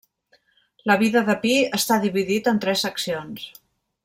La vida de Pi, està dividit en tres seccions.